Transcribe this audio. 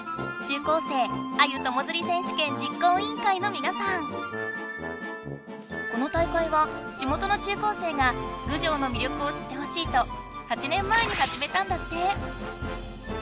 じょうをくれたのはこの大会は地元の中高生が郡上のみ力を知ってほしいと８年前にはじめたんだって。